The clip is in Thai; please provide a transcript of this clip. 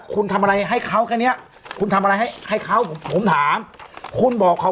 คุณทำอะไรให้เขาแค่เนี้ยคุณทำอะไรให้ให้เขาผมถามคุณบอกเขา